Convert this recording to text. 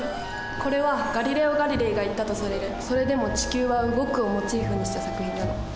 これはガリレオ・ガリレイが言ったとされる「それでも地球は動く」をモチーフにした作品なの。